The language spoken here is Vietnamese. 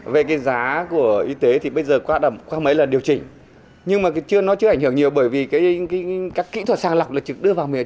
về cái giá của y tế thì bây giờ qua mấy lần điều chỉnh nhưng mà nó chưa ảnh hưởng nhiều bởi vì các kỹ thuật sàng lọc là trực tiếp